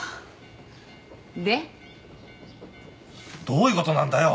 どういうことなんだよ？